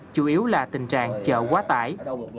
chủ yếu là tình trạng chở quá tải